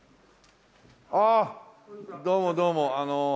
ああどうもどうも。